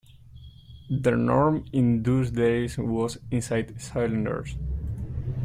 The norm in those days was inside cylinders.